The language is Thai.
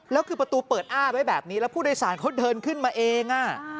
แล้วคือประตูเปิดอ้าไว้แบบนี้แล้วผู้โดยสารเขาเดินขึ้นมาเอง